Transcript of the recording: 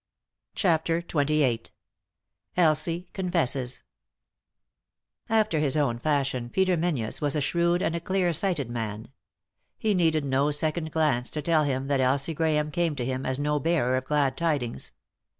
294 3i 9 iii^d by Google CHAPTER XXVIII ELSIE CONFESSES AFTER his own fashion Peter Menzies was a shrewd and a clear sighted man. He needed no second glance to tell him that Elsie Grahame came to him as no bearer of glad tidings.